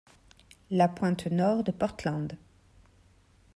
La pointe nord de Portland